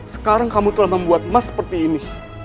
sekarang kamu telah membuat emas seperti ini